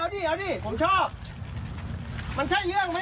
ดาดตั้งตรงนี้ป้ายอยู่นี่